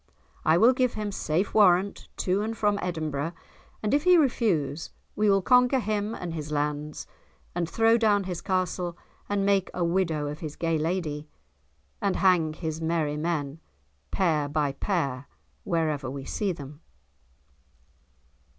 I will give him safe warrant to and from Edinburgh, and if he refuse we will conquer him and his lands, and throw down his castle, and make a widow of his gay lady; and hang his merry men pair by pair wherever we see them."